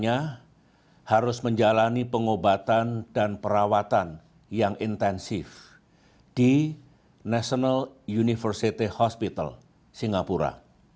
harus menjalani pengobatan dan perawatan yang intensif di national university hospital singapura